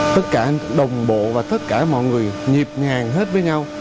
tất cả đồng bộ và tất cả mọi người nhịp ngàng hết với nhau